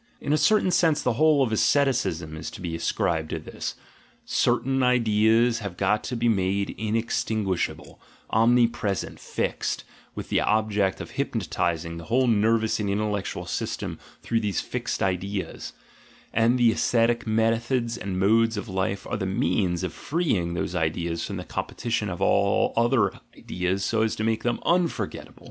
In a certain sense the whole of asceti cism is to be ascribed to this: certain ideas have got to be made inextinguishable, omnipresent, "fixed," with the object of hypnotising the whole nervous and intellectual system through these "fixed ideas" — and the ascetic methods and modes of life are the means of freeing those ideas from the competition of all other ideas so as to make them "unforgettable."